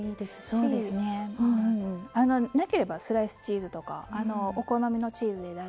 そうですねなければスライスチーズとかお好みのチーズで大丈夫なので。